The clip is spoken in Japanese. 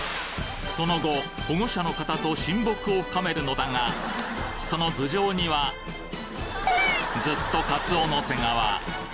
その後、保護者の方と親睦を深めるのだが、その頭上には、ずっとカツオの背皮。